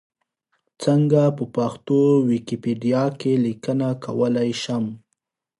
څنګه په پښتو ویکیپېډیا کې لیکنه کولای شم؟